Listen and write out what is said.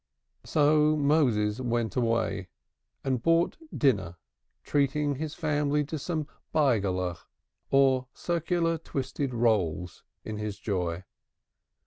So Moses went away and bought dinner, treating his family to some beuglich, or circular twisted rolls, in his joy.